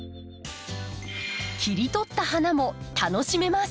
切り取った花も楽しめます。